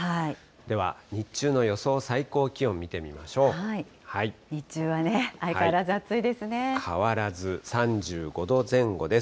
では、日中の予想最高気温見てみ日中はね、相変わらず暑いで変わらず３５度前後です。